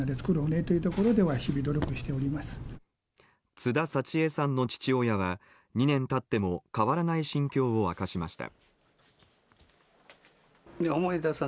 津田幸恵さんの父親は２年経っても変わらない心境を明かしました。